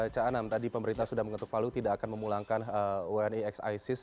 caa enam tadi pemerintah sudah mengetuk palu tidak akan memulangkan wni ex isis